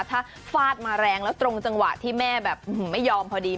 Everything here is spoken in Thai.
ถ้าฟาดมาแรงแล้วตรงจังหวะที่แม่แบบไม่ยอมพอดี